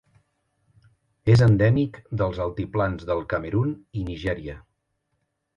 És endèmic dels altiplans del Camerun i Nigèria.